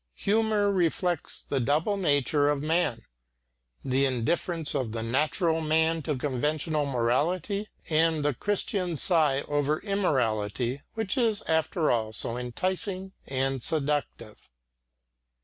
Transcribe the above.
Humour reflects the double nature of man, the indifference of the natural man to conventional morality, and the Christian's sigh over immorality which is after all so enticing and seductive.